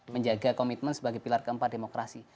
menjaga komitmen sebagai pilar keempat demokrasi